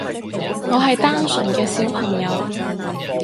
我係單純嘅小朋友